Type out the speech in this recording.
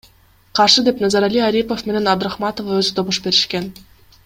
Каршы деп Назарали Арипов менен Абдрахматова өзү добуш беришкен.